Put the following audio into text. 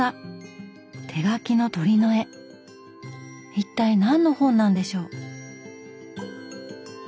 一体何の本なんでしょう。